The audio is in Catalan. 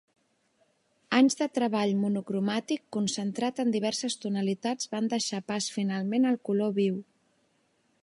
Anys de treball monocromàtic concentrat en diverses tonalitats van deixar pas finalment al color viu.